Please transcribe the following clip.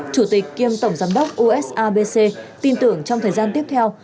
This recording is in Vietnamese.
chủ tịch kiêm tổng giám đốc usabc tin tưởng trong thời gian tiếp theo